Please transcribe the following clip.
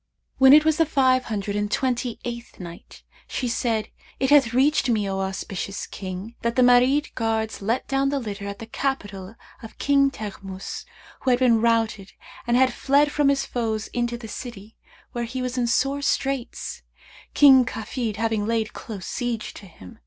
When it was the Five Hundred and Twenty eighth Night, She said, It hath reached me, O auspicious King, that "the Marid guards let down the litter at the capital of King Teghmus who had been routed and had fled from his foes into the city, where he was in sore straits, King Kafid having laid close siege to him.